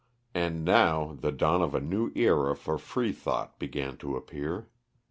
And now the dawn of a new era for Freethought began to appear.